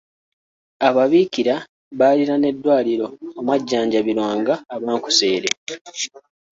Ababiikira baalina n’eddwaliro omwajjanjabirwanga abankuseere.